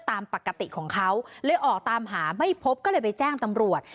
ตามปกติของเขาเลยออกตามหาไม่พบก็เลยไปแจ้งตำรวจ